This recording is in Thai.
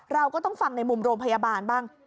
เราก็ต้องฟังในมุมโรงพยาบาลบ้าง